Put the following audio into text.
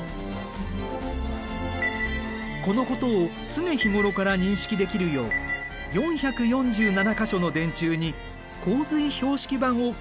このことを常日頃から認識できるよう４４７か所の電柱に洪水標識板を掲示しているんだ。